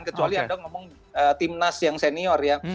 kecuali anda ngomong timnas yang senior ya